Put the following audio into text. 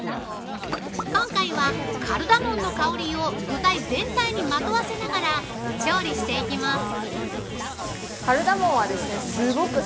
◆今回は、カルダモンの香りを具材全体にまとわせながら、調理していきます。